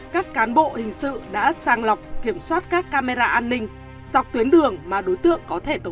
các cán bộ hình sự đã sàng lọc kiểm soát các camera an ninh dọc tuyến đường mà đối tượng có thể tẩu thoát